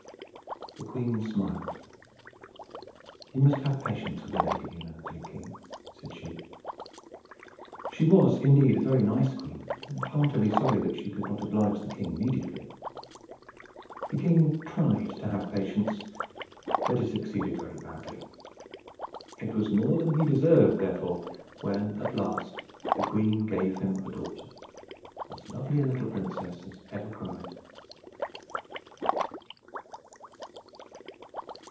The queen smiled. "You must have patience with a lady, you know, dear king," said she. She was, indeed, a very nice queen, and heartily sorry that she could not oblige the king immediately. The king tried to have patience, but he succeeded very badly. It was more than he deserved, therefore, when, at last, the queen gave him a daughter as lovely a little princess as ever cried.